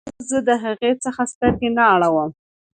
او زه د هغې څخه سترګې نه اړوم